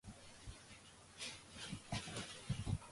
ლინა ტევრში მარტოა.